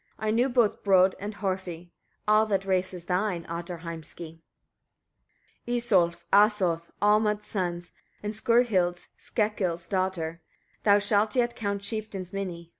I knew both Brodd and Horfi. All that race is thine, Ottar Heimski! 22. Isolf, Asolf, Olmod's sons and Skurhild's Skekkil's daughter; thou shalt yet count chieftains many.